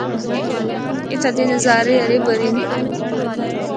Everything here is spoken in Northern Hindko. اِتھا دے نظارے ہرے بھرے ہن۔